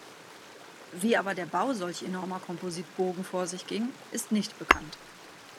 Wie aber der Bau solch enormer Kompositbogen vor sich ging, ist nicht bekannt.